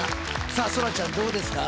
さあそらちゃんどうですか？